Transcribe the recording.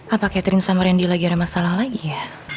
apa catering sama randy lagi ada masalah lagi ya